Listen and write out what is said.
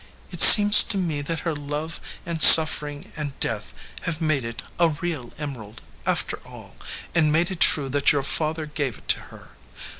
"It seems to me that her love and suffering and death have made it a real emerald, after all, and made it true that your father gave it to her.